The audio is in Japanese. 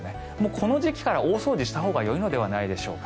この時期から大掃除をしたほうがよいのではないでしょうか。